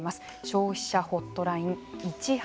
消費者ホットライン１８８